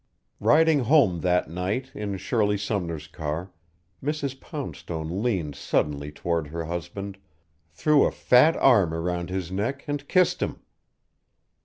Riding home that night in Shirley Sumner's car Mrs. Poundstone leaned suddenly toward her husband, threw a fat arm around his neck and kissed him.